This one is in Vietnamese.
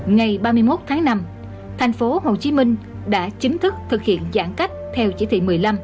ngày ba mươi một tháng năm thành phố hồ chí minh đã chính thức thực hiện giãn cách theo chỉ thị một mươi năm